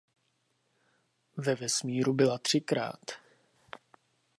Ve vesmíru byla třikrát.